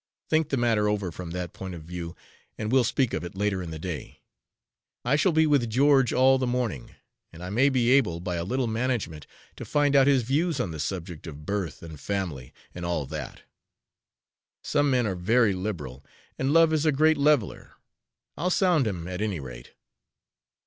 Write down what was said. Think the matter over from that point of view, and we'll speak of it later in the day. I shall be with George all the morning, and I may be able, by a little management, to find out his views on the subject of birth and family, and all that. Some men are very liberal, and love is a great leveler. I'll sound him, at any rate."